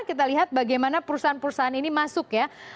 kita lihat bagaimana perusahaan perusahaan ini masuk ya